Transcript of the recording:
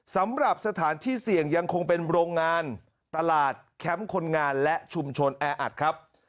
สำหรับสถานที่เสี่ยงยังคงเป็นโรงงานตลาดแคมป์คนงานและชุมชนแออัดครับ